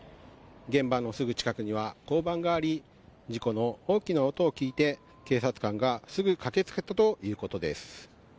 現場のすぐ近くには、交番があり事故の大きな音を聞いて警察官がすぐに駆け付けたということです。